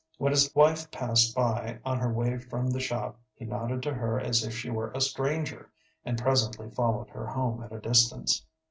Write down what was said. When his wife passed by on her way from the shop he nodded to her as if she were a stranger, and presently followed her home at a distance.